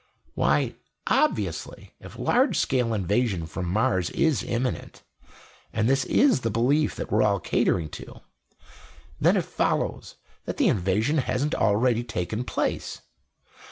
"Why, obviously, if large scale invasion from Mars is imminent and this is the belief that we're all catering to then it follows that the invasion hasn't already taken place.